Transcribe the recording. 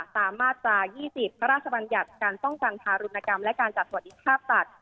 ตามมาจาก๒๐พระราชบัญญัติการต้องการพารุณกรรมและการจัดสวัสดิษฐาตัด